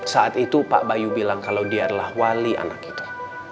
saat itu pak bayu bilang kalau dia adalah wali anak kita